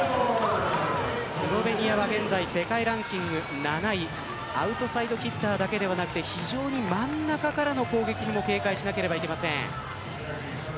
スロベニアは世界ランキング７位アウトサイドヒッターだけではなくて非常に真ん中からの攻撃にも警戒しなければいけません。